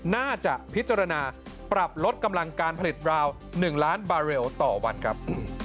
น่าจะพิจารณาปรับลดกำลังการผลิตราว๑ล้านบาเรลต่อวันครับ